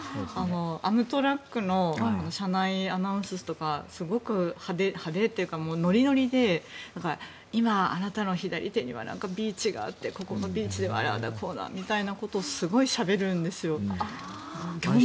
アムトラックの車内アナウンスとかすごく派手というかノリノリで今、あなたの左手にはビーチがあってここのビーチではああだこうだみたいなことすごいしゃべるんですよ。